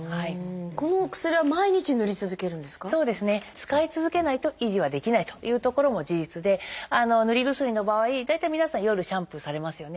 使い続けないと維持はできないというところも事実で塗り薬の場合大体皆さん夜シャンプーされますよね。